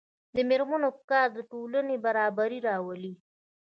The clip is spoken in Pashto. د میرمنو کار د ټولنې برابري راولي.